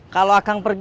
kalau akang pergi